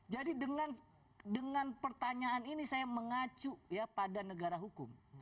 jadi dengan pertanyaan ini saya mengacu ya pada negara hukum